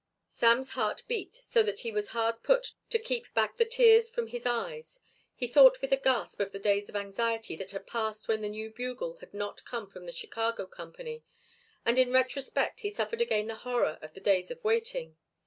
Sam's heart beat so that he was hard put to it to keep back the tears from his eyes. He thought with a gasp of the days of anxiety that had passed when the new bugle had not come from the Chicago company, and in retrospect he suffered again the horror of the days of waiting.